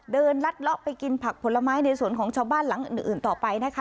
ลัดเลาะไปกินผักผลไม้ในสวนของชาวบ้านหลังอื่นต่อไปนะคะ